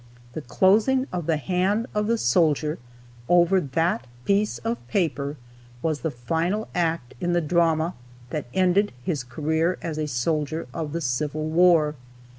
The closing of the hand of the soldier over that piece of paper was the final act in the drama that ended his career as a soldier of the Civil War.